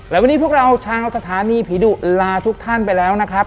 และวันนี้พวกเราชาวสถานีผีดุลาทุกท่านไปแล้วนะครับ